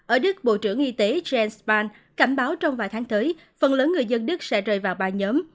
ở đức bộ trưởng y tế jens span cảnh báo trong vài tháng tới phần lớn người dân đức sẽ rơi vào ba nhóm